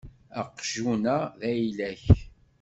Aqjun-a d ayla-k.